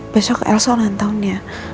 besok elsa ulang tahun ya